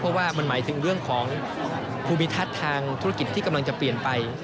เพราะว่ามันหมายถึงเรื่องของภูมิทัศน์ทางธุรกิจที่กำลังจะเปลี่ยนไป